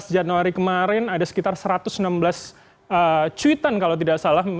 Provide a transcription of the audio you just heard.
dua belas januari kemarin ada sekitar satu ratus enam belas cuitan kalau tidak salah